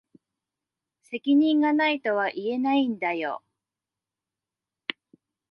責任が無いとは言えないんだよ。